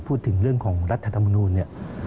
พูดถึงเรื่องของรัฐธรรมนุน